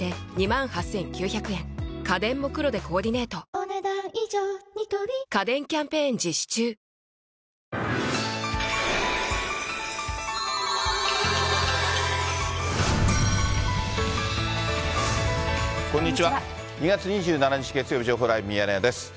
２月２７日月曜日、情報ライブミヤネ屋です。